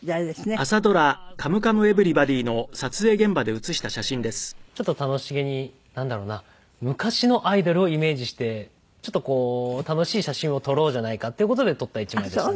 これはまあオフショットというか本編とは関係ないちょっと楽しげになんだろうな昔のアイドルをイメージしてちょっとこう楽しい写真を撮ろうじゃないかっていう事で撮った１枚ですね。